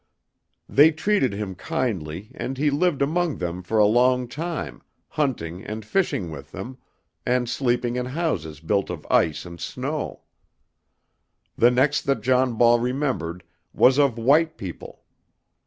They treated him kindly, and he lived among them for a long time, hunting and fishing with them, and sleeping in houses built of ice and snow. The next that John Ball remembered was of white people.